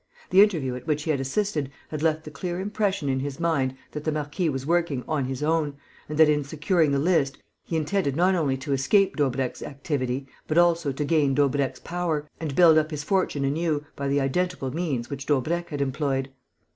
The interview at which he had assisted had left the clear impression in his mind that the marquis was working "on his own" and that, in securing the list, he intended not only to escape Daubrecq's activity, but also to gain Daubrecq's power and build up his fortune anew by the identical means which Daubrecq had employed.